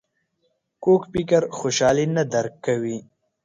کوږ فکر خوشحالي نه درک کوي